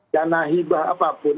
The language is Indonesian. dana hibah apapun